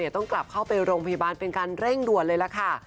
ต้องกลับเข้าไปโรงพยาบาลเป็นการเร่งด่วนเลยล่ะค่ะ